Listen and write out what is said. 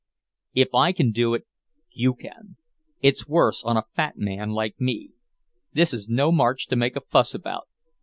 "If I can do it, you can. It's worse on a fat man like me. This is no march to make a fuss about.